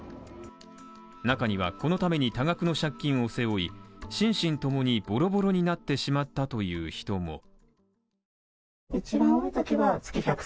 中にはこのために多額の借金を背負い、心身ともにぼろぼろになってしまったという人も。